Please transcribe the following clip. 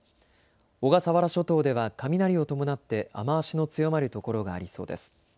小笠原諸島では雷を伴って雨足の強まる所がありそうです。